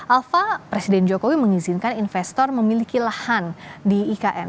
alfa presiden jokowi mengizinkan investor memiliki lahan di ikn